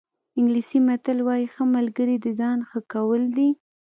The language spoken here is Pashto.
انګلیسي متل وایي ښه ملګری د ځان ښه کول دي.